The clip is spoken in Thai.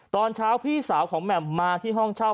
ตอนเช้าพี่สาวของแหม่มมาที่ห้องเช่า